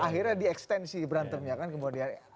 akhirnya di extend sih berantemnya kan kemudian